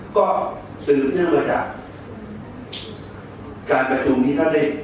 ก็ศึกเพื่อจากการประถุงนี้ท่านเนี่ย